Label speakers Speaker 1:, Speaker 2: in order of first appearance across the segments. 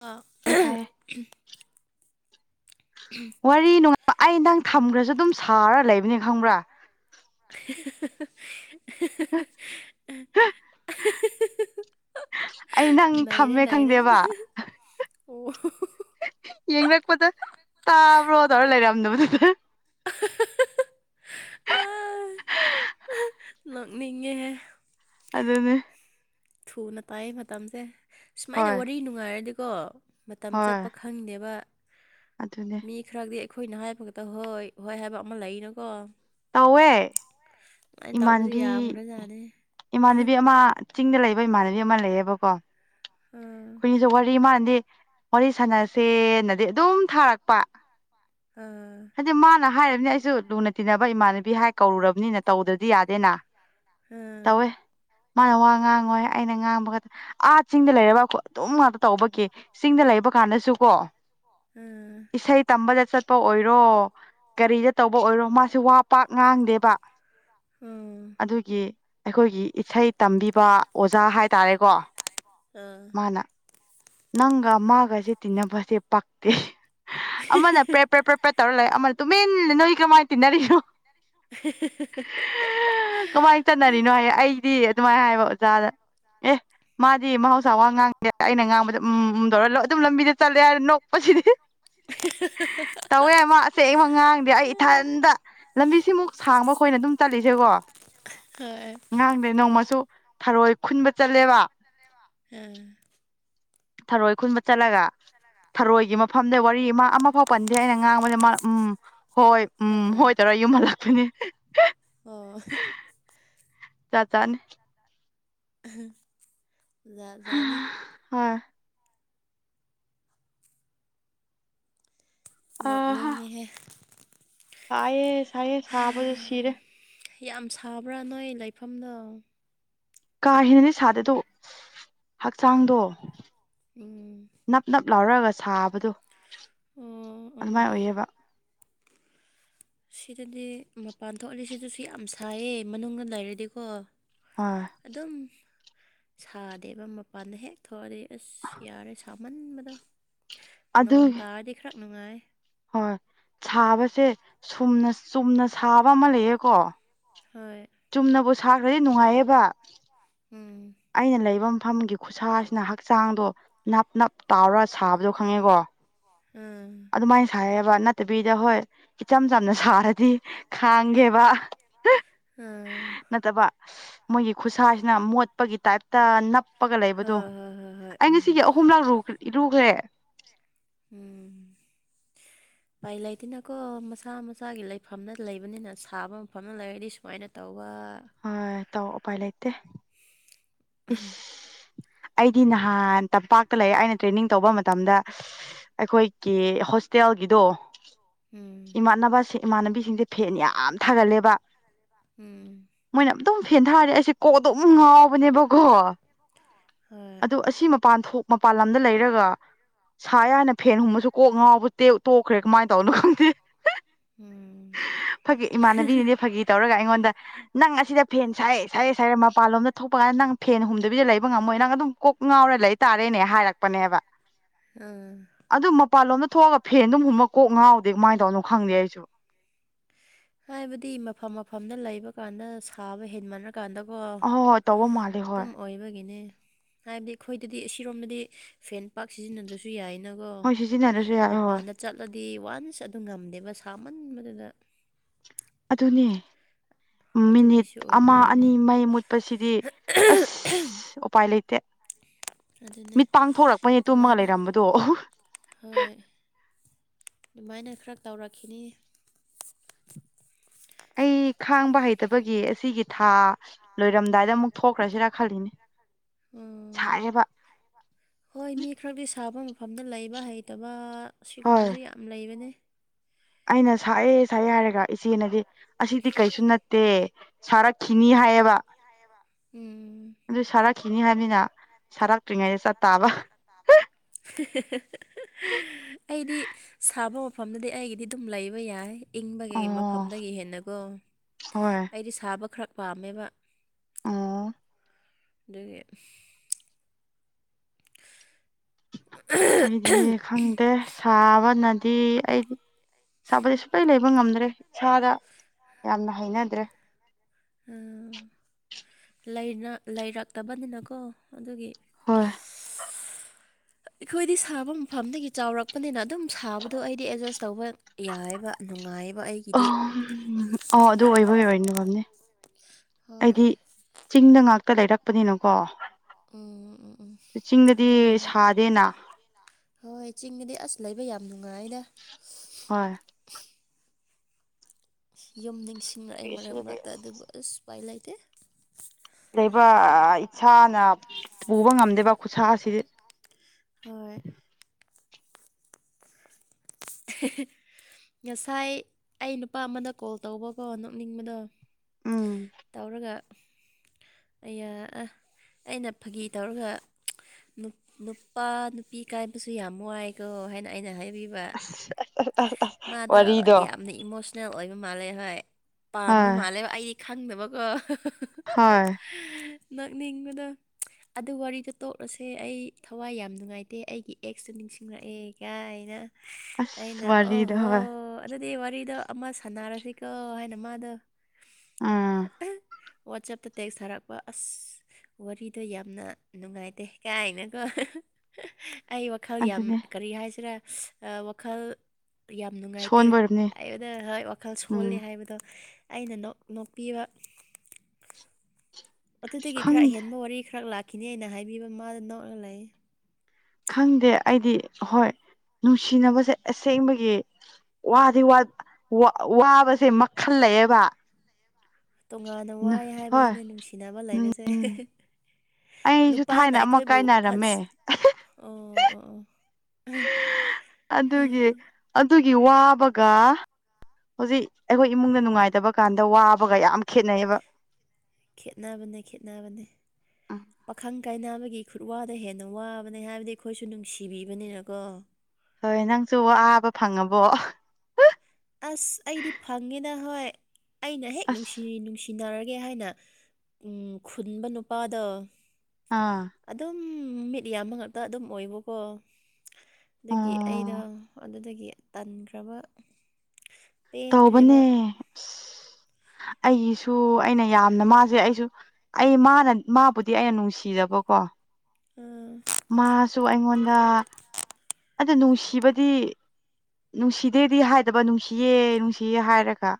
Speaker 1: ꯑ
Speaker 2: ꯇꯥꯏꯌꯦ ꯇꯥꯏꯌꯦ ꯋꯥꯔꯤ ꯅꯨꯡꯉꯥꯏꯕ ꯑꯩ ꯅꯪ ꯊꯝꯈ꯭ꯔꯁꯨ ꯑꯗꯨꯝ ꯁꯥꯔ ꯂꯩꯕꯅꯤ ꯈꯪꯕ꯭ꯔꯥ
Speaker 1: [inaudible]
Speaker 2: ꯍ ꯑꯩ ꯅꯪ
Speaker 1: ꯅꯩꯔꯦ
Speaker 2: ꯊꯝꯃꯦ
Speaker 1: ꯅꯩꯔꯦ
Speaker 2: ꯈꯪꯗꯦꯕ
Speaker 1: ꯑꯣ
Speaker 2: ꯌꯦꯡꯔꯛꯄꯗ ꯇꯥꯕ꯭ꯔꯣꯇꯧꯔ ꯂꯩꯔꯝꯗꯕꯗꯨꯗ
Speaker 1: ꯅꯣꯛꯅꯤꯡꯉꯦ
Speaker 2: ꯑꯗꯨꯅꯤ
Speaker 1: ꯊꯨꯅ ꯇꯥꯏ ꯃꯇꯝꯁꯦ ꯁꯨꯃꯥꯏꯅ
Speaker 2: ꯍꯣꯏ
Speaker 1: ꯋꯥꯔꯤ ꯅꯨꯡꯉꯥꯏꯔꯗꯤꯀꯣ ꯃꯇꯝ
Speaker 2: ꯍꯣꯏ
Speaker 1: ꯆꯠꯄ ꯈꯪꯗꯦꯕ
Speaker 2: ꯑꯗꯨꯅꯦ
Speaker 1: ꯃꯤ ꯈꯔꯗꯤ ꯑꯩꯈꯣꯏꯅ ꯍꯥꯏꯕ ꯈꯛꯇ ꯍꯣꯏ ꯍꯣꯏ ꯍꯥꯏꯕ ꯑꯃ ꯂꯩꯅꯀꯣ
Speaker 2: ꯀꯑꯦ
Speaker 1: ꯑꯗꯨꯃꯥꯏꯅ ꯇꯧꯕꯁꯦ
Speaker 2: ꯏꯃꯥꯟꯅꯕꯤ
Speaker 1: ꯌꯥꯝꯈ꯭ꯔꯖꯥꯠꯅꯤ
Speaker 2: ꯏꯃꯥꯟꯅꯕꯤ ꯑꯃ ꯆꯤꯡꯗ ꯂꯩꯕ ꯏꯃꯥꯟꯅꯕꯤ ꯑꯃ ꯂꯩꯌꯦꯕꯀꯣ
Speaker 1: ꯑꯥ
Speaker 2: ꯑꯩꯈꯣꯏꯒꯤꯁꯨ ꯋꯥꯔꯤ ꯃꯥꯟ ꯗꯤ ꯋꯥꯔꯤ ꯁꯥꯟꯅꯁꯦꯅꯗꯤ ꯑꯗꯨꯝ ꯊꯥꯔꯛꯄ
Speaker 1: ꯑꯥ
Speaker 2: ꯍꯥꯏꯗꯤ ꯃꯥꯅ ꯍꯥꯏꯔꯕꯅ ꯑꯩꯁꯨ ꯂꯨꯅ ꯇꯤꯟꯅꯕ ꯏꯃꯥꯟꯅꯕꯤ ꯍꯥꯏ ꯀꯧꯔꯨꯔꯕꯅꯤꯅ ꯇꯧꯗ꯭ꯔꯗꯤ ꯌꯥꯗꯦꯅ
Speaker 1: ꯎꯝ
Speaker 2: ꯇꯧꯋꯦ ꯃꯥꯅ ꯋꯥ ꯉꯥꯡꯉꯣꯏ ꯑꯩꯅ ꯉꯥꯡꯕ ꯈꯛꯇ ꯑꯥꯔꯠ ꯆꯁꯤꯡꯗ ꯂꯩꯔꯔꯕ ꯑꯩꯈꯣꯏ ꯑꯗꯨꯝ ꯉꯥꯛꯇ ꯇꯧꯕꯒꯤ ꯆꯤꯡꯗ ꯂꯩ ꯀꯥꯟꯗꯁꯨ ꯀꯣ
Speaker 1: ꯑꯥ
Speaker 2: ꯏꯁꯩ ꯇꯝꯕꯗ ꯆꯠꯄ ꯑꯣꯏꯔ ꯔꯣ ꯀꯔꯤꯗ ꯇꯧꯕ ꯑꯣꯏꯔꯣ ꯃꯥꯁꯦ ꯋꯥ ꯄꯥꯛ ꯉꯥꯡꯗꯦꯕ
Speaker 1: ꯎꯝ
Speaker 2: ꯑꯗꯨꯒꯤ ꯑꯩꯈꯣꯏꯒꯤ ꯏꯁꯩ ꯇꯝꯕꯤꯕ ꯑꯣꯖꯥ ꯍꯥꯏ ꯇꯥꯔꯦꯀꯣ
Speaker 1: ꯑꯥ
Speaker 2: ꯃꯥꯅ ꯅꯪ ꯃꯥꯒꯁꯦ ꯇꯅꯕꯁꯦ ꯄꯥꯛꯇꯦ ꯑꯃꯅ ꯄ꯭ꯔꯦ ꯄ꯭ꯔꯦ ꯄ꯭ꯔꯦꯞ ꯄ꯭ꯔꯦꯞ ꯇꯧꯔ ꯂꯩ ꯑꯃꯅ ꯇꯨꯃꯤꯟꯅ ꯅꯣꯏ ꯀꯃꯥꯏꯅ ꯇꯤꯟꯅꯔꯤꯅꯣ ꯀꯃꯥꯏꯅ ꯆꯠꯅꯔꯤꯅꯣ ꯍꯥꯏꯌꯦ ꯑꯩꯗꯤ ꯑꯗꯨꯃꯥꯏꯅ ꯍꯥꯏꯕ ꯑꯣꯖꯥꯗ ꯑꯦ ꯃꯥꯗꯤ ꯃꯍꯧꯁꯥ ꯋꯥ ꯉꯥꯡꯗꯦ ꯑꯩꯅ ꯉꯥꯡꯕꯗ ꯎꯝ ꯎꯝꯗꯧꯔ ꯑꯗꯨꯝ ꯂꯝꯕꯤꯗ ꯆꯠꯂꯦꯔ ꯅꯣꯛꯄꯁꯤꯗꯤ
Speaker 1: [inaudible]
Speaker 2: ꯇꯧꯋꯦ ꯑꯃ ꯑꯆꯦ ꯑꯃ ꯉꯥꯡꯗꯦ ꯑꯩ
Speaker 1: ꯍꯣꯏ
Speaker 2: ꯏꯊꯟꯗ ꯂꯝꯕꯤꯁꯤꯃꯨꯛ ꯁꯥꯡꯕ ꯑꯩꯈꯣꯏꯅ ꯑꯗꯨꯝ ꯆꯠꯂꯤꯁꯦ ꯏꯁꯦꯀꯣ
Speaker 1: ꯑꯥ
Speaker 2: ꯑꯉꯥꯡꯗ ꯅꯣꯡꯃꯁꯨ ꯊꯔꯣꯏ ꯈꯨꯟꯕ ꯆꯠꯂꯦꯕ
Speaker 1: ꯑꯝ
Speaker 2: ꯊꯔꯣꯏ ꯈꯨꯟꯕ ꯆꯠꯂꯒ ꯐꯔꯣꯏꯒꯤ ꯃꯐꯝꯗ ꯋꯥꯔꯤ ꯑꯃ ꯑꯃ ꯐꯥꯎ ꯄꯟꯗꯦ ꯑꯩꯅ ꯉꯥꯡꯕꯗ ꯎꯝ ꯍꯣꯏ ꯎꯝ
Speaker 1: ꯑꯥ
Speaker 2: ꯍꯣꯏ ꯇꯧꯔ ꯌꯨꯝ ꯍꯜꯂꯥꯛꯄꯅꯦ
Speaker 1: ꯑꯣ
Speaker 2: ꯖꯥꯠ ꯖꯥꯠꯅꯦ
Speaker 1: ꯖꯠ ꯖꯠꯅꯦ
Speaker 2: ꯍꯣꯏ ꯑ
Speaker 1: ꯅꯣꯛꯅꯤꯡꯉꯤꯍꯦ
Speaker 2: ꯁꯥꯏꯌꯦ ꯁꯥꯏꯌꯦ ꯁꯥꯕꯗ ꯁꯤꯔꯦ
Speaker 1: ꯌꯥꯝ ꯁꯥꯕ꯭ꯔꯥ ꯅꯣꯏ ꯂꯩꯐꯝꯗꯣ
Speaker 2: ꯀꯥ ꯍꯦꯟꯅꯗꯤ ꯁꯥꯗꯗꯨ ꯍꯛꯆꯥꯡꯗꯣ
Speaker 1: ꯎꯝ
Speaker 2: ꯅꯞ ꯅꯞ ꯂꯥꯎꯔꯛꯑꯒ ꯁꯥꯕꯗꯣ
Speaker 1: ꯑꯣ ꯑꯣ ꯑꯣ
Speaker 2: ꯑꯗꯨꯃꯥꯏꯅ ꯑꯣꯏꯌꯦꯕ
Speaker 1: ꯁꯤꯗꯗꯤ ꯃꯄꯥꯟ ꯊꯣꯛꯂꯤꯁꯤꯗꯁꯨ ꯌꯥꯝ ꯁꯥꯏꯌꯦ ꯃꯅꯨꯡꯗ ꯂꯩꯔꯗꯤꯀꯣ
Speaker 2: ꯍꯣꯏ
Speaker 1: ꯑꯗꯨꯝ ꯁꯥꯗꯦꯕ ꯃꯄꯥꯟꯗ ꯍꯦꯛ ꯊꯣꯛꯑꯗꯤ ꯑꯁ ꯌꯥꯔꯦ ꯁꯥꯃꯟꯕꯗꯣ
Speaker 2: ꯑꯗꯨ
Speaker 1: ꯅꯣꯡ ꯇꯥꯔꯗꯤ ꯈꯔ ꯅꯨꯡꯉꯥꯏ
Speaker 2: ꯍꯣꯏ ꯁꯥꯕꯁꯦ ꯆꯨꯝꯅ ꯁꯥꯕ ꯑꯃ ꯂꯩꯌꯦꯀꯣ
Speaker 1: ꯍꯣꯏ
Speaker 2: ꯆꯨꯝꯅꯕꯨ ꯁꯥꯈ꯭ꯔꯗꯤ ꯅꯨꯡꯉꯥꯏꯌꯦꯕ
Speaker 1: ꯎꯝ
Speaker 2: ꯑꯩꯅ ꯂꯩꯐꯝ ꯃꯐꯝꯒꯤ ꯈꯨꯠꯁꯥꯁꯤꯅ ꯍꯛꯆꯥꯡꯗꯣ ꯅꯞ ꯅꯞ ꯇꯥꯎꯔꯒ ꯁꯥꯕꯗꯣ ꯈꯪꯉꯦꯀꯣ
Speaker 1: ꯎꯝ
Speaker 2: ꯑꯗꯨꯃꯥꯏꯅ ꯁꯥꯏꯌꯦꯕ ꯅꯠꯇꯕꯤꯗ ꯍꯣꯏ ꯏꯆꯝ ꯆꯝꯅ ꯁꯥꯔꯗꯤ ꯈꯥꯡꯒꯦꯕ
Speaker 1: ꯎꯝ
Speaker 2: ꯅꯠꯇꯕ ꯃꯣꯏꯒꯤ ꯈꯨꯠꯁꯥꯁꯤꯅ ꯃꯣꯠꯄꯒꯤ ꯇꯥꯏꯞꯇ ꯅꯞ ꯀꯞꯄꯒ ꯂꯩꯕꯗꯣ
Speaker 1: ꯍꯣꯏ ꯍꯣꯏ ꯍꯣꯏ ꯍꯣꯏ
Speaker 2: ꯑꯩ
Speaker 1: ꯎꯝ
Speaker 2: ꯉꯁꯤꯒꯤ ꯑꯍꯨꯝ ꯂꯛ ꯏꯔꯨꯈ꯭ꯔꯦ
Speaker 1: ꯎꯝ [unintelligible] ꯎ ꯄꯥꯏ ꯂꯩꯇꯅꯀꯣ ꯃꯁꯥ ꯃꯁꯥꯒꯤ ꯂꯩꯐꯝꯅ ꯂꯩꯕꯅꯤꯅ ꯁꯥꯕ ꯃꯐꯝꯗ ꯂꯩꯔꯗꯤ ꯁꯨꯃꯥꯏꯅ ꯇꯧ
Speaker 2: ꯍꯣꯏ ꯇꯧ ꯎꯄꯥꯏ ꯂꯩꯇ ꯎꯐ ꯑꯩꯗꯤ ꯅꯍꯥꯟ ꯇꯝꯄꯥꯛꯇ ꯂꯩ ꯑꯩꯅ ꯇ꯭ꯔꯦꯟꯅꯤꯡ ꯇꯧꯕ ꯃꯇꯝꯗ ꯑꯩꯈꯣꯏꯒꯤ ꯍꯣꯁꯇꯦꯜꯒꯤꯗꯣ
Speaker 1: ꯎꯝ
Speaker 2: ꯏꯃꯥꯟꯅꯕꯁꯤꯡ ꯏꯃꯥꯟꯅꯕꯤꯁꯤꯡꯁꯦ ꯐꯦꯟ ꯌꯥꯝ ꯊꯥꯒꯜꯂꯦꯕ
Speaker 1: ꯎꯝ
Speaker 2: ꯑꯗꯨꯝ ꯐꯦꯟꯊꯥꯔꯦ ꯑꯩꯁꯦ ꯀꯣꯗꯣ ꯑꯃꯝ ꯉꯥꯎꯕꯅꯦꯕꯀꯣ
Speaker 1: ꯍꯣꯏ
Speaker 2: ꯑꯗꯨ ꯑꯁꯤꯃ ꯄꯥꯟꯊꯣꯛ ꯃꯄꯥꯟ ꯂꯝꯗ ꯂꯩꯔꯒ ꯁꯥꯏ ꯍꯥꯏꯅ ꯐꯦꯟꯍꯨꯝꯕꯁꯨ ꯀꯣꯛ ꯉꯥꯎꯕ ꯇꯣꯛꯈ꯭ꯔꯦ ꯀꯃꯥꯏꯅ ꯇꯧꯅꯣ ꯈꯪꯗꯦ
Speaker 1: ꯎꯝ
Speaker 2: ꯐꯥꯒꯤ ꯏꯃꯥꯟꯅꯕꯤꯖꯤꯡꯖꯦ ꯐꯥꯒꯤ ꯇꯧꯔꯒ ꯑꯩꯉꯣꯟꯗ ꯅꯪ ꯑꯁꯤꯗ ꯐꯦꯟ ꯁꯥꯏꯌꯦ ꯁꯥꯌꯦ ꯁꯥꯏꯌꯦ ꯃꯄꯥꯟꯂꯣꯝꯗ ꯊꯣꯛꯄ ꯀꯥꯟꯗ ꯅꯪ ꯐꯦꯟ ꯍꯨꯝꯗꯕꯤꯗ ꯂꯩꯕ ꯉꯝꯃꯣꯏ ꯅꯪ ꯑꯗꯨꯝ ꯀꯣꯛ ꯉꯥꯎꯔ ꯂꯩ ꯇꯥꯔꯦꯅꯦ ꯍꯥꯏꯔꯛꯄꯅꯦꯕ
Speaker 1: ꯑꯥ
Speaker 2: ꯃ ꯄꯥꯟꯂꯣꯝꯗ ꯊꯣꯛꯑꯒ ꯐꯦꯟ ꯑꯗꯨꯝ ꯍꯨꯝꯕ ꯀꯣꯛ ꯉꯥꯎꯗꯦ ꯀꯃꯥꯏꯅ ꯇꯧꯅꯣ ꯈꯪꯗꯦ ꯑꯩꯁꯨ
Speaker 1: ꯍꯥꯏꯕꯗꯤ ꯃꯐꯝ ꯃꯐꯝꯗ ꯂꯩꯕ ꯀꯥꯟꯗ ꯁꯥꯕ ꯍꯦꯟ ꯃꯥꯟꯅ ꯀꯥꯟꯗꯀꯣ
Speaker 2: ꯑꯍꯣꯏ ꯍꯣꯏ ꯇꯧꯕ ꯃꯥꯜꯂꯦ ꯍꯣꯏ
Speaker 1: ꯑꯗꯨꯝ ꯑꯣꯏꯕꯒꯤꯅꯦ ꯍꯥꯏꯕꯗꯤ ꯑꯩꯈꯣꯏꯗꯗꯤ ꯑꯁꯤꯔꯣꯝꯗꯗꯤ ꯐꯦꯟ ꯄꯥꯛ ꯁꯤꯖꯤꯟꯅꯗ꯭ꯔꯁꯨ ꯌꯥꯏ ꯀꯩꯅꯒꯣ
Speaker 2: ꯍꯣꯏ ꯁꯤꯖꯤꯟꯅꯔꯁꯨ ꯌꯥꯏ ꯍꯣꯏ
Speaker 1: ꯃꯄꯥꯟꯗ ꯆꯠꯂꯗꯤ ꯋꯥꯟꯁ ꯑꯗꯨ ꯉꯝꯗꯦꯕ ꯁꯥꯃꯟꯕꯗꯨꯗ
Speaker 2: ꯑꯗꯨꯅꯦ ꯃꯤꯅꯤꯠ
Speaker 1: ꯑꯗꯨꯒꯤꯁꯨ
Speaker 2: ꯑꯃ
Speaker 1: ꯑꯣꯏꯕꯒꯤꯅꯦ
Speaker 2: ꯑꯅꯤ ꯃꯩ ꯃꯨꯠꯄꯁꯤꯗꯤ ꯑꯁ ꯎꯄꯥꯏ ꯂꯩꯇꯦ
Speaker 1: ꯑꯗꯨꯅꯦ
Speaker 2: ꯃꯤꯠ ꯄꯥꯡꯊꯣꯔꯛꯄꯅꯦ ꯇꯨꯝꯃꯒ
Speaker 1: ꯑꯗꯨꯃꯥꯏꯅ
Speaker 2: ꯂꯩꯔꯝꯕꯗꯣ
Speaker 1: ꯍꯣꯏ ꯑꯗꯨꯃꯥꯏꯅ ꯈꯔ ꯇꯧꯔꯛꯈꯤꯅꯤ
Speaker 2: ꯑꯩ ꯈꯥꯡꯕ ꯍꯩꯇꯕꯒꯤ ꯑꯁꯤꯒꯤ ꯊꯥ ꯂꯣꯏꯔꯝꯗꯥꯏꯗ ꯑꯃꯨꯛ ꯊꯣꯛꯈ꯭ꯔꯁꯤꯔꯥ ꯈꯜꯂꯤꯅꯦ
Speaker 1: ꯎꯝ
Speaker 2: ꯁꯥꯏꯌꯦꯕ
Speaker 1: ꯍꯣꯏ ꯃꯤ ꯈꯔꯗꯤ ꯁꯥꯖ ꯃꯐꯝ ꯃꯐꯝꯗ ꯂꯩꯕ ꯍꯩꯇꯕ
Speaker 2: ꯍꯣꯏ
Speaker 1: ꯑꯁꯤꯒꯨꯝꯕꯁꯨ ꯌꯥꯝ ꯂꯩꯕꯅꯦ
Speaker 2: ꯑꯩꯅ ꯁꯥꯏꯍꯦ ꯁꯥꯏꯌꯦ ꯍꯥꯏꯔꯒ ꯏꯆꯦꯅꯗꯤ ꯑꯁꯤꯗꯤ ꯀꯩꯁꯨ ꯅꯠꯇꯦ ꯁꯥꯔꯛꯈꯤꯅꯤ ꯍꯥꯏꯌꯦꯕ
Speaker 1: ꯎꯝ
Speaker 2: ꯑꯗꯨ ꯁꯥꯔꯛꯈꯤꯅꯤ ꯍꯥꯏꯕꯅꯤꯅ ꯁꯥꯔꯛꯇ꯭ꯔꯤꯉꯩꯗ ꯆꯠ ꯇꯥꯕ
Speaker 1: ꯑꯩꯗꯤ ꯁꯥꯕ ꯃꯐꯝꯗꯗꯤ ꯑꯩꯒꯤꯗꯤ ꯑꯗꯨꯝ ꯂꯩꯕ ꯌꯥꯏ ꯏꯪꯕꯒꯤ
Speaker 2: ꯑꯣ
Speaker 1: ꯃꯐꯝꯗꯒꯤ ꯍꯦꯟꯅꯀꯣ
Speaker 2: ꯍꯣꯏ
Speaker 1: ꯑꯩꯗꯤ ꯁꯥꯕ ꯈꯔ ꯄꯥꯝꯃꯦꯕ
Speaker 2: ꯑꯣ
Speaker 1: ꯑꯗꯨꯒꯤ [unintelligible]
Speaker 2: ꯑꯩꯗꯤ ꯈꯪꯗꯦ ꯁꯥꯕꯅꯗꯤ ꯑꯩ ꯁꯥꯥꯕꯗꯤ ꯁꯨꯛꯂꯩ ꯂꯩꯕ ꯉꯝꯗ꯭ꯔꯦ ꯏꯁꯥꯗ ꯌꯥꯝꯅ ꯍꯩꯅꯗ꯭ꯔꯦ
Speaker 1: ꯂꯩꯔꯛꯇꯕꯅꯤꯅꯀꯣ ꯑꯗꯨꯒꯤ
Speaker 2: ꯍꯣꯏ
Speaker 1: [unintelligible] ꯑꯩꯈꯣꯏꯗꯤ ꯁꯥꯕ ꯃꯐꯝꯗꯒꯤ ꯆꯥꯎꯔꯛꯄꯅꯤꯅ ꯑꯗꯨꯝ ꯁꯥꯕꯗꯣ ꯑꯩꯗꯤ ꯑꯦꯗꯖꯁ ꯇꯧꯕ ꯌꯥꯏꯕ ꯅꯨꯡꯉꯥꯏꯕ
Speaker 2: ꯑ
Speaker 1: ꯑꯩꯒꯤꯗꯤ
Speaker 2: ꯑ ꯑꯗꯨ ꯑꯣꯏꯕꯒꯤ ꯑꯣꯏꯔꯝꯅꯤ
Speaker 1: ꯍꯣꯏ
Speaker 2: ꯑꯩꯗꯤ ꯆꯤꯡꯗ ꯉꯥꯛꯇ ꯂꯩꯔꯛꯄꯅꯤꯅꯀꯣ
Speaker 1: ꯎꯝ ꯎꯝ ꯎꯝ
Speaker 2: ꯆꯤꯡꯗꯗꯤ
Speaker 1: ꯑꯗꯨꯒꯤꯅꯦ
Speaker 2: ꯁꯥꯗꯦꯅ
Speaker 1: ꯍꯣꯏ ꯆꯤꯡꯒꯤꯗꯤ ꯑꯁ ꯂꯩꯕ ꯌꯥꯝ ꯅꯨꯡꯉꯥꯏꯗ
Speaker 2: ꯍꯣꯏ
Speaker 1: ꯌꯨꯝ ꯅꯤꯡꯁꯤꯡꯉꯛꯑꯦ
Speaker 2: ꯑꯗꯨꯒꯤ
Speaker 1: ꯃꯔꯛ
Speaker 2: ꯁꯤꯗꯗꯤ
Speaker 1: ꯃꯔꯛꯇ
Speaker 2: ꯑꯁ
Speaker 1: ꯑꯗꯨꯕꯨ ꯑꯁ ꯎꯄꯥꯏ ꯂꯩꯇꯦ
Speaker 2: ꯂꯩꯕ ꯏꯁꯥꯅ ꯄꯨꯕ ꯉꯝꯗꯦꯕ ꯈꯨꯠꯁꯥꯁꯤꯗꯤ
Speaker 1: ꯍꯣꯏ ꯉꯁꯥꯏ ꯑꯩ ꯅꯨꯄꯥ ꯑꯃꯗ ꯀꯣꯜ ꯇꯧꯕꯀꯣ ꯅꯣꯛꯅꯤꯡꯕꯗꯣ
Speaker 2: ꯎꯝ
Speaker 1: ꯇꯧꯔꯒ ꯑꯩꯅ ꯐꯥꯒꯤ ꯇꯧꯔꯒ ꯅꯨꯄꯥ ꯅꯨꯄꯤ ꯀꯥꯏꯕꯁꯨ ꯌꯥꯝ ꯋꯥꯏꯀꯣ ꯍꯥꯏꯅ ꯑꯩꯅ ꯍꯥꯏꯕꯤꯕ
Speaker 2: ꯑ ꯑ ꯋꯥꯔꯤꯗꯣ
Speaker 1: ꯑꯗꯨ ꯃꯥꯜꯂꯦ ꯍꯣꯏ ꯄꯥꯟꯕ
Speaker 2: ꯍꯣꯏ
Speaker 1: ꯃꯥꯜꯂꯦꯕ ꯑꯩꯗꯤ ꯈꯪꯗꯕꯀꯣ
Speaker 2: ꯍꯣꯏ
Speaker 1: ꯅꯛꯅꯤꯡꯕꯗ ꯑꯗꯨ ꯋꯥꯔꯤꯗ ꯇꯣꯛꯂꯁꯦ ꯑꯩ ꯊꯋꯥꯏ ꯌꯥꯝ ꯅꯨꯡꯉꯥꯏꯇꯦ ꯑꯩꯒꯤ ꯑꯦꯛꯁꯇ ꯅꯤꯡꯁꯤꯡꯂꯛꯑꯦ ꯀꯥꯏꯅ
Speaker 2: ꯑꯁ
Speaker 1: ꯑꯩꯅ
Speaker 2: ꯋꯥꯔꯤꯗꯣ
Speaker 1: ꯑꯣꯍꯣ
Speaker 2: ꯍꯣꯏ
Speaker 1: ꯑꯗꯨꯗꯤ ꯋꯥꯔꯤꯗꯣ ꯑꯃ ꯁꯥꯟꯅꯔꯁꯤꯀꯣ ꯍꯥꯏꯅ ꯃꯥꯗꯣ
Speaker 2: ꯎꯝ
Speaker 1: ꯋꯥꯆꯦꯞꯇ ꯇꯦꯛꯁ ꯊꯥꯔꯛꯄ ꯑꯁ ꯋꯥꯔꯤꯗꯣ ꯌꯥꯝꯅ ꯅꯨꯡꯉꯥꯏꯇꯦ ꯀꯥꯏꯅꯀꯣ ꯑꯩ ꯋꯥꯈꯜ ꯌꯥꯝ
Speaker 2: ꯑꯗꯨꯅꯦ
Speaker 1: ꯀꯔꯤ ꯍꯥꯏꯁꯤꯔꯥ ꯋꯥꯈꯜ ꯌꯥꯝ ꯅꯨꯡꯉꯥꯏꯇꯦ
Speaker 2: ꯁꯣꯟꯕ ꯑꯣꯏꯔꯝꯅꯤ
Speaker 1: ꯑꯩꯕꯗ ꯍꯣꯏ ꯋꯥꯈꯜ ꯁꯣꯜꯂꯦ
Speaker 2: ꯎꯝ
Speaker 1: ꯍꯥꯏꯕꯗꯣ ꯑꯩꯅ ꯅꯣꯛꯄꯤꯕ ꯑꯗꯨꯗꯒꯤ ꯈꯔ
Speaker 2: ꯈꯪꯗꯦ
Speaker 1: ꯑꯍꯦꯟꯕ ꯋꯥꯔꯤ ꯈꯔ ꯂꯥꯛ ꯈꯤꯅꯦ ꯑꯅ ꯍꯥꯏꯕꯤꯕ ꯃꯥꯗ ꯅꯣꯛꯅ ꯂꯩ
Speaker 2: ꯈꯪꯗꯦ ꯑꯩꯗꯤ ꯍꯣꯏ ꯅꯨꯡꯁꯤꯅꯕꯁꯦ ꯑꯁꯦꯡꯕꯒꯤ ꯋꯥꯗꯤ ꯋꯥꯕꯁꯦ ꯃꯈꯜ ꯂꯩꯑꯦꯕ
Speaker 1: ꯇꯣꯉꯥꯟꯅ ꯋꯥꯏ ꯍꯥꯏꯕꯗꯨꯅꯦ ꯅꯨꯡꯁꯤꯅꯕ ꯂꯩꯕꯁꯦ
Speaker 2: ꯑꯩꯁꯨ
Speaker 1: ꯅꯨꯄꯥꯅ
Speaker 2: ꯊꯥꯏꯅ ꯑꯃ
Speaker 1: ꯑꯩꯈꯣꯏꯕꯨ ꯐ
Speaker 2: ꯀꯥꯏꯅꯔꯝꯃꯦ ꯑꯗꯨꯒꯤ ꯑꯗꯨꯒꯤ ꯋꯥꯕꯒ ꯍꯧꯖꯤꯛ ꯑꯩꯈꯣꯏ ꯏꯃꯨꯡꯗ ꯅꯨꯡꯉꯥꯏꯇꯕ ꯀꯥꯟꯗ ꯋꯥꯕꯒ ꯌꯥꯝ ꯈꯦꯠꯅꯩꯌꯦꯕ
Speaker 1: ꯈꯦꯅꯕꯅꯦ ꯈꯦꯅꯕꯅꯦ
Speaker 2: ꯎꯝ
Speaker 1: ꯄꯥꯈꯪ ꯀꯥꯏꯅꯕ ꯑꯩꯒꯤ ꯈꯨꯠꯋꯥꯗ ꯍꯦꯟꯅ ꯋꯥꯕꯅꯦ ꯍꯥꯏꯕꯗꯤ ꯑꯩꯈꯣꯏꯁꯨ ꯅꯨꯡꯁꯤꯕꯤꯕꯅꯤꯅꯀꯣ
Speaker 2: ꯍꯣꯏ ꯅꯪꯁꯨ ꯑꯕ ꯐꯪꯉꯕꯣ
Speaker 1: ꯑꯁ ꯑꯩꯗꯤ ꯐꯪꯉꯦꯅ ꯍꯣꯏ ꯑꯩꯅ ꯍꯦꯛ ꯅꯨꯡꯁꯤ
Speaker 2: ꯑꯁ
Speaker 1: ꯅꯨꯡꯁꯤ ꯀꯤꯟꯅꯔꯒꯦ ꯍꯥꯏꯅ ꯈꯨꯟꯕ ꯅꯨꯄꯥꯗꯣ
Speaker 2: ꯑꯥ
Speaker 1: ꯎꯝ ꯃꯤꯠ ꯌꯥꯝꯌꯥꯝꯕ ꯉꯛꯇ ꯑꯗꯨꯝ ꯑꯣꯏꯕꯀꯣ ꯑꯗꯨꯒꯤ ꯑꯩꯅ
Speaker 2: ꯑꯣ
Speaker 1: ꯑꯗꯨꯗꯒꯤ ꯇꯟꯈ꯭ꯔꯕ
Speaker 2: ꯇꯧꯕꯅꯦ
Speaker 1: ꯄꯦꯟꯈ꯭ꯔꯦꯕ
Speaker 2: ꯑꯩꯒꯤꯁꯨ ꯑꯩꯅ ꯌꯥꯝꯅ ꯃꯥꯁꯦ ꯑꯩꯁꯨ ꯑꯩ ꯃꯥꯅ ꯃꯥꯕꯨꯗꯤ ꯑꯩꯅ ꯅꯨꯡꯁꯤꯖꯕ ꯀꯣꯀꯣ
Speaker 1: ꯑꯥ
Speaker 2: ꯃꯥꯁꯨ ꯑꯩꯉꯣꯟꯗ ꯑꯗꯨ ꯅꯨꯡꯁꯤꯕꯗꯤ ꯅꯨꯡꯁꯤꯗꯦꯗꯤ ꯍꯥꯏꯗꯕ ꯅꯨꯡꯁꯤꯌꯦ ꯅꯨꯡꯁꯤꯌꯦ ꯍꯥꯏꯔꯒ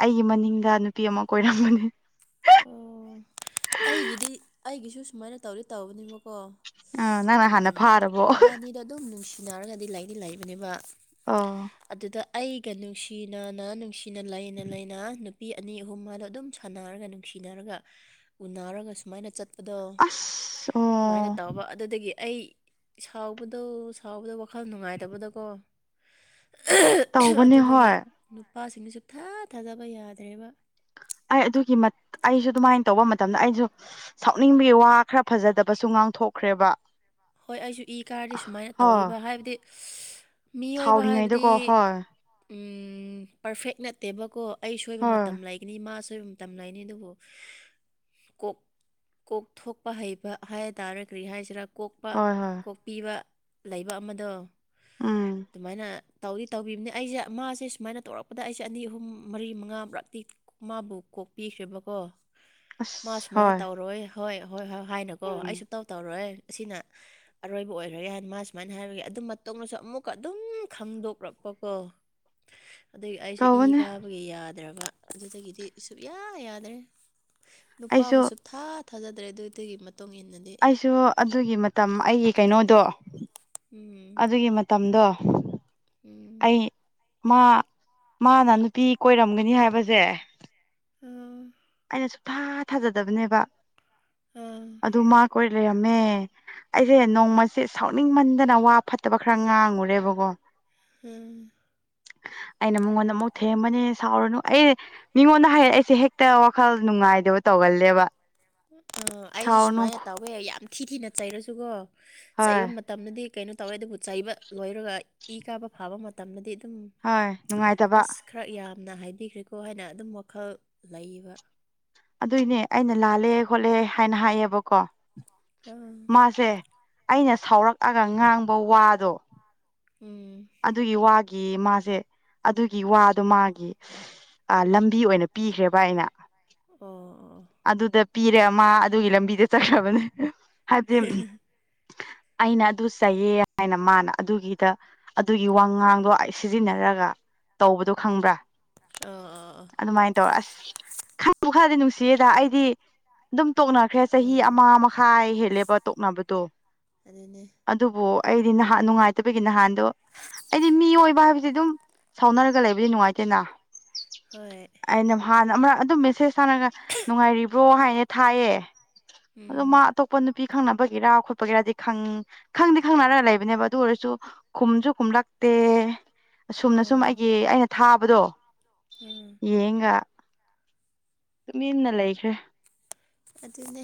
Speaker 2: ꯑꯩꯒꯤ ꯃꯅꯤꯡꯗ ꯅꯨꯄꯤ ꯑꯃ ꯀꯣꯏꯔꯝꯕꯅꯤ
Speaker 1: ꯑꯣ ꯑꯩꯒꯤꯗꯤ ꯑꯩꯒꯤꯁꯨ ꯁꯨꯃꯥꯏꯅ ꯇꯧꯔꯤ ꯇꯧꯕꯅꯤꯕ ꯀꯣ
Speaker 2: ꯑꯥ ꯅꯪꯅ ꯍꯥꯟꯅ ꯐꯥꯔꯕꯣ
Speaker 1: ꯏꯕꯥꯅꯤꯗꯣ ꯑꯗꯨꯝ ꯅꯨꯡꯁꯤꯅꯔꯒꯗꯤ ꯂꯥꯏꯔꯤꯛꯗꯤ ꯂꯩꯕꯅꯦꯕ
Speaker 2: ꯑ
Speaker 1: ꯑꯗꯨꯗ ꯑꯩꯒ ꯅꯨꯡꯁꯤꯅꯅ ꯅꯨꯡꯁꯤꯅ ꯂꯩꯅ ꯂꯩꯅ ꯅꯨꯄꯤ ꯑꯅꯤ ꯑꯍꯨꯝ ꯃꯥꯂꯣ ꯑꯗꯨꯝ ꯁꯥꯟꯅꯔꯒ ꯁꯤꯅꯔꯒ ꯎꯅꯔꯒ ꯁꯨꯃꯥꯏꯅ ꯆꯠ
Speaker 2: ꯑꯁ ꯑꯣ
Speaker 1: ꯑꯗꯨꯗꯒꯤ ꯑꯩ ꯁꯥꯎꯕꯗꯣ ꯁꯥꯎꯕꯗꯣ ꯋꯥꯈꯜ ꯅꯨꯡꯉꯥꯏꯇꯕꯗꯀꯣ
Speaker 2: ꯇꯧꯕꯅꯦ ꯍꯣꯏ
Speaker 1: ꯅꯨꯄꯥꯁꯤꯡꯅꯁꯨ ꯊꯥ ꯊꯥꯗꯕ ꯌꯥꯗ꯭ꯔꯦꯕ
Speaker 2: ꯑꯩ ꯑꯗꯨꯒꯤ ꯑꯩꯁꯨ ꯑꯗꯨꯃꯥꯏꯅ ꯇꯧꯕ ꯃꯇꯝꯗ ꯑꯩꯁꯨ ꯁꯥꯎꯅꯤꯡꯕꯒꯤ ꯋꯥ ꯈꯔ ꯐꯖꯗꯕꯁꯨ ꯉ ꯄꯥꯡꯊꯣꯛꯈ꯭ꯔꯦꯕ
Speaker 1: ꯍꯣꯏ ꯑꯩꯁꯨ ꯏ ꯀꯥꯔꯗꯤ ꯁꯨꯃꯥꯏꯅ ꯇꯧꯕ ꯍꯥꯏꯕꯗꯤ ꯃꯤꯑꯣꯏꯕ ꯍꯥꯏꯕꯗꯤ
Speaker 2: ꯁꯥꯎꯔꯤꯉꯩꯗꯀꯣ ꯍꯣꯏ
Speaker 1: ꯄꯔꯐꯦꯛ ꯅꯠꯇꯦꯕꯀꯣ ꯑꯩ ꯁꯣꯏꯕ ꯃꯇꯝ
Speaker 2: ꯍꯣꯏ
Speaker 1: ꯂꯩꯒꯅꯤ ꯃꯥꯁꯨ ꯁꯣꯏꯕ ꯃꯇꯝꯝꯅꯥꯥꯏꯏꯅꯤ ꯑꯗꯨꯕꯨ ꯀꯣꯛ ꯀꯣꯛ ꯊꯣꯛꯄ ꯍꯩꯕ ꯍꯥꯏꯕ ꯇꯥꯔ ꯀꯔꯤ ꯍꯥꯏꯁꯤꯔꯥ ꯀꯣꯛꯄ
Speaker 2: ꯍꯣꯏ ꯍꯣꯏ
Speaker 1: ꯀꯣꯛꯄꯤꯕ ꯂꯩꯕ ꯑꯃꯗꯣ
Speaker 2: ꯎꯝ
Speaker 1: ꯑꯗꯨꯃꯥꯏꯅ ꯇꯧꯗꯤ ꯇꯧꯕꯤꯕꯅꯤ ꯑꯩꯁꯦ ꯃꯥꯁꯦ ꯁꯨꯃꯥꯏꯅ ꯇꯧꯔꯛꯄꯗ ꯑꯩꯁꯦ ꯑꯅꯤ ꯑꯍꯨꯝ ꯃꯔꯤ ꯃꯉꯥ ꯃꯨꯔꯛꯇꯤ ꯃꯥꯕꯨ ꯀꯣꯛꯄꯤꯈ꯭ꯔꯦꯕꯀꯣ ꯃꯥ
Speaker 2: ꯑꯁ
Speaker 1: ꯁꯨꯃꯥꯏꯅ
Speaker 2: ꯍꯣꯏ
Speaker 1: ꯇꯧꯔꯣꯏ ꯍꯣꯏ ꯍꯣꯏ ꯍꯣꯏ ꯍꯥꯏꯅꯀꯣ
Speaker 2: ꯎꯝ
Speaker 1: ꯑꯩꯁꯨ ꯇꯧ ꯇꯧꯔꯣꯏ ꯑꯁꯤꯅ [unintelligible] ꯑꯔꯣꯏꯕ ꯑꯣꯏꯔ꯭ꯔ ꯌꯥꯅ ꯃꯥ ꯁꯨꯃꯥꯏꯅ ꯍꯥꯏꯔꯒ ꯑꯗꯨ ꯃꯇꯣꯗꯁꯨ ꯑꯃꯨꯛꯀ ꯑꯗꯨꯝ ꯈꯪꯗꯣꯛꯂꯛꯄ ꯀꯣ [unintelligible] ꯑꯗꯨ ꯑꯩꯁꯨ ꯏ
Speaker 2: ꯇꯧꯕꯅꯦ
Speaker 1: ꯀꯥꯕꯒꯤ ꯌꯥꯗ꯭ꯔꯕ ꯑꯗꯨꯗꯒꯤꯗꯤ ꯁꯨꯛꯌꯥ ꯌꯥꯗ꯭ꯔꯦ
Speaker 2: ꯑꯩꯁꯨ
Speaker 1: ꯅꯨꯄꯥꯕꯨ ꯁꯨꯞ ꯊꯥ ꯊꯥꯖꯗ꯭ꯔꯦ ꯑꯗꯨꯗꯒꯤ ꯃꯇꯨꯡ ꯏꯟꯅꯗꯤ
Speaker 2: ꯑꯩꯁꯨ ꯑꯗꯨꯒꯤ ꯃꯇꯝ ꯑꯩꯒꯤ ꯀꯩꯅꯣꯗꯣ
Speaker 1: ꯎꯝ
Speaker 2: ꯑꯗꯨꯒꯤ ꯃꯇꯝꯗꯣ [unintelligible]
Speaker 1: ꯎꯝ
Speaker 2: ꯑꯩ ꯃꯥ ꯃꯥꯅ ꯅꯨꯄꯤ ꯀꯣꯏꯔꯝꯒꯅꯤ ꯍꯥꯏꯕꯁꯦ
Speaker 1: ꯑꯥ
Speaker 2: ꯑꯩꯅ ꯁꯨꯡꯊꯥ ꯊꯥꯖꯗꯕꯅꯦꯕ
Speaker 1: ꯑꯥ
Speaker 2: ꯑꯗꯨ ꯃꯥ ꯀꯣꯏ ꯂꯩꯔꯝꯃꯦ ꯑꯩꯁꯦ ꯅꯣꯡꯃꯁꯦ ꯁꯥꯎꯅꯤꯡꯃꯟꯗꯅ ꯋꯥ ꯐꯠꯇꯕ ꯈꯔ ꯉꯥꯡꯉꯨꯔꯦꯕꯀꯣ
Speaker 1: ꯎꯝ
Speaker 2: ꯑꯩꯅ ꯃꯉꯣꯟꯗ ꯑꯃꯨꯛ ꯊꯦꯝꯕꯅꯦ ꯁꯥꯎꯔꯅꯨ ꯑꯩ ꯃꯤꯉꯣꯟꯗ ꯍꯥꯏꯔꯛ ꯑꯩꯁꯦ ꯍꯦꯛꯇ ꯋꯥꯈꯜ ꯅꯨꯡꯉꯥꯏꯗꯕ ꯇꯧꯒꯜꯂꯦꯕ
Speaker 1: ꯑ ꯑꯩꯁꯨ
Speaker 2: ꯁꯥꯎꯔꯅꯨ
Speaker 1: ꯁꯨꯃꯥꯏꯅ ꯇꯧꯋꯦ ꯌꯥꯝ ꯊꯤ ꯊꯤꯅ ꯆꯩꯔꯁꯨꯀꯣ
Speaker 2: ꯍꯣꯏ
Speaker 1: ꯆꯩꯕ ꯃꯇꯝꯗꯗꯤ ꯀꯩꯅꯣ ꯇꯧꯋꯦ ꯑꯗꯨꯕꯨ ꯆꯩꯕ ꯂꯣꯏꯔꯒ ꯏ ꯀꯥꯕ ꯐꯥꯕ ꯃꯇꯝꯗꯗꯤ ꯑꯗꯨꯝ
Speaker 2: ꯍꯣꯏ ꯅꯨꯡꯉꯥꯏꯇꯕ
Speaker 1: ꯑꯁ ꯈꯔ ꯌꯥꯝꯅ ꯍꯥꯏꯕꯤꯈ꯭ꯔꯦꯀꯣ ꯍꯥꯏꯅ ꯑꯗꯨꯝ ꯋꯥꯈꯜ ꯂꯩꯌꯦꯕ
Speaker 2: ꯑꯗꯨꯏꯅꯦ ꯑꯩꯅ ꯂꯥꯜꯂꯦ ꯈꯣꯠꯂꯦ ꯍꯥꯏꯅ ꯍꯥꯏꯌꯦꯕꯀꯣ
Speaker 1: ꯑꯥ
Speaker 2: ꯃꯥꯁꯦ ꯑꯩꯅ ꯁꯥꯎꯔꯛꯑꯒ ꯉꯥꯡꯕ ꯋꯥꯗꯣ
Speaker 1: ꯎꯝ
Speaker 2: ꯑꯗꯨꯒꯤ ꯋꯥꯒꯤ ꯃꯥꯁꯦ ꯑꯗꯨꯒꯤ ꯋꯥꯗꯣ ꯃꯥꯒꯤ ꯂꯝꯕꯤ ꯑꯣꯏꯅ ꯄꯤꯈ꯭ꯔꯦꯕ ꯑꯩꯅ
Speaker 1: ꯑ ꯑ
Speaker 2: ꯑꯗꯨꯗ ꯄꯤꯔꯦ ꯑꯃ ꯑꯗꯨꯒꯤ ꯂꯝꯕꯤꯗ ꯆꯠꯈ꯭ꯔꯕꯅꯦ ꯍꯥꯏꯕꯗꯤ ꯑꯩꯅ ꯑꯗꯨ ꯆꯥꯏꯌꯦ ꯍꯥꯏꯅ ꯃꯥꯅ ꯑꯗꯨꯒꯤꯗ ꯑꯗꯨꯒꯤ ꯋꯥ ꯉꯥꯡꯗꯣ ꯑꯩ ꯁꯤꯖꯤꯟꯅꯔꯒ ꯇꯧꯕꯗꯣ ꯈꯪꯕ꯭ꯔꯥ
Speaker 1: ꯑꯥ ꯑꯥꯥ
Speaker 2: ꯈꯪ ꯈꯔꯗꯤ ꯅꯨꯡꯁꯤꯌꯦꯗ ꯑꯩꯗꯤ ꯑꯗꯨꯝ ꯇꯣꯛꯅꯈ꯭ꯔꯦ ꯆꯍꯤ
Speaker 1: ꯎꯝ
Speaker 2: ꯑꯃ ꯃꯈꯥꯏ ꯍꯦꯜꯂꯦꯕ ꯇꯣꯛꯅꯕꯗꯣ
Speaker 1: ꯑꯗꯨꯅꯦ
Speaker 2: ꯑꯗꯨꯕꯨ ꯑꯩꯗꯤ ꯅꯍꯥꯟ ꯅꯨꯡꯉꯥꯏꯇꯕꯒꯤ ꯅꯍꯥꯟꯗꯣ ꯑꯩꯗꯤ ꯃꯤ ꯑꯣꯏꯏꯕ ꯍꯥꯏꯕꯕꯁꯤ ꯑꯗꯨꯝ ꯁꯥꯎꯅꯔꯒ ꯂꯩꯕꯗꯤ ꯅꯨꯡꯉꯥꯏꯇꯦꯅ
Speaker 1: ꯍꯣꯏ
Speaker 2: ꯑꯩꯅ ꯍꯥꯟꯅ ꯑꯃꯛ ꯑꯗꯨꯝ ꯃꯦꯁꯦꯁ ꯊꯥꯅꯔꯒ ꯅꯨꯡꯉꯥꯏꯔꯤꯕ꯭ꯔꯣ ꯍꯥꯏꯅ ꯊꯥꯏꯌꯦ ꯑꯗꯣ
Speaker 1: ꯎꯝ
Speaker 2: ꯃꯥ ꯑꯇꯣꯞꯄ ꯅꯨ ꯄꯄꯤ ꯈꯪꯅꯕꯒꯤꯔꯥ ꯈꯣꯠꯄꯒꯤꯔꯗꯤꯪ ꯈꯪꯗꯤ ꯈꯪꯅꯔ ꯂꯩꯕꯅꯦꯕ ꯑꯗꯨ ꯑꯣꯏꯔꯁꯨ ꯈꯨꯝꯁꯨ ꯈꯨꯝꯂꯛꯇꯦ ꯑꯁꯨꯝꯅ
Speaker 1: ꯑꯣ
Speaker 2: ꯁꯨꯝ ꯑꯩꯒꯤ ꯑꯩꯅ ꯊꯥꯕꯗꯣ
Speaker 1: ꯎꯝ
Speaker 2: ꯌꯦꯡꯒ ꯇꯨꯃꯤ ꯏꯟꯅ ꯂꯩꯈ꯭ꯔꯦ
Speaker 1: ꯑꯗꯨꯅꯦ